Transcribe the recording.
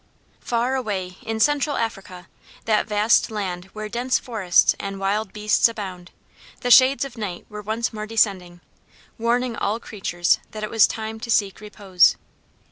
] Far away in Central Africa, that vast land where dense forests and wild beasts abound, the shades of night were once more descending, warning all creatures that it was time to seek repose.